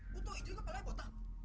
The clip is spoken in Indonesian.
buto ijo itu kepala nya botak